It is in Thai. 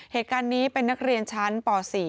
เหตุการณ์นี้เป็นนักเรียนชั้นป๔